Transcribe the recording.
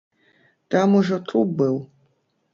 Там ужо труп быў.